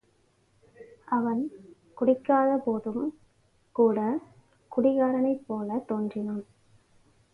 அவன் குடிக்காத போதும் கூடக் குடிகாரனைப்போலவே தோன்றினான்.